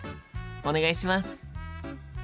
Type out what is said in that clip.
お願いします！